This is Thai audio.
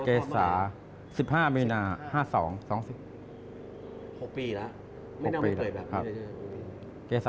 เกษสาสไม่ต่อมา